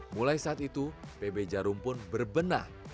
mulai saat itu pb jarum pun berbenah